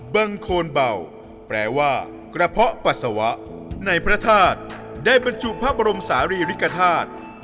บางคนเบาแปลว่ากระเพาะปัสสาวะในพระธาตุได้บรรจุพระบรมศาลีริกฐาตุ